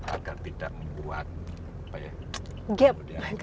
agar tidak membuat gap